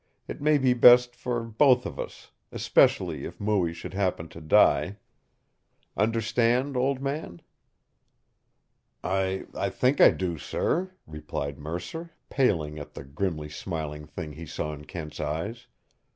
It may be best for both of us especially if Mooie should happen to die. Understand, old man?" "I I think I do, sir," replied Mercer, paling at the grimly smiling thing he saw in Kent's eyes.